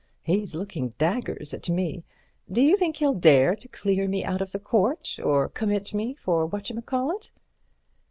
He's looking daggers at me—do you think he'll dare to clear me out of the court or commit me for what you may call it?"